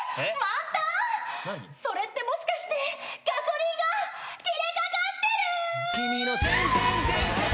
それってもしかしてガソリンが切れかかってる！？